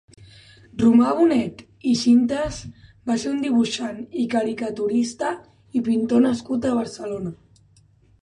Romà Bonet i Sintes va ser un dibuixant, i caricaturista i pintor nascut a Barcelona.